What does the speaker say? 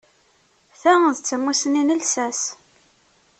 Ta d tamussni n llsas.